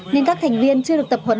nên các thành viên chưa được tập huấn